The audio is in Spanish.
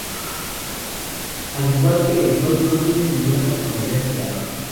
Al igual que el Sol, no tiene ninguna compañera estelar.